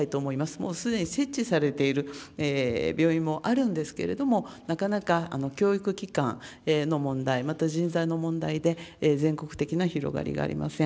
もうすでに設置されている病院もあるんですけれども、なかなか教育機関の問題、また人材の問題で、全国的な広がりがありません。